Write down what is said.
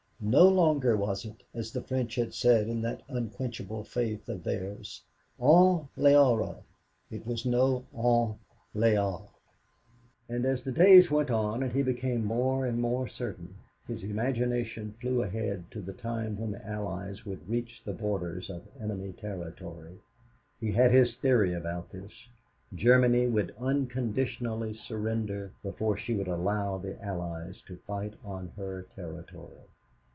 No longer was it, as the French had said it in that unquenchable faith of theirs On les aura; it was no On les a. And as the days went on and he became more and more certain, his imagination flew ahead to the time when the Allies would reach the borders of enemy territory. He had his theory about this: Germany would unconditionally surrender before she would allow the Allies to fight on her territory.